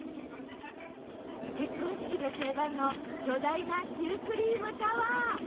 結婚式で定番の巨大なシュークリームタワー！